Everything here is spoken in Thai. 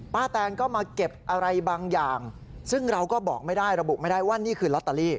แตนก็มาเก็บอะไรบางอย่างซึ่งเราก็บอกไม่ได้ระบุไม่ได้ว่านี่คือลอตเตอรี่